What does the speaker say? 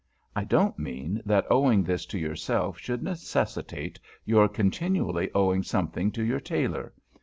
I don't mean that owing this to yourself should necessitate your continually owing something to your tailor.